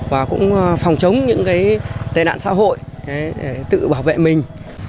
và cũng phòng chống những cái tên ạn xã hội để tự bảo vệ mình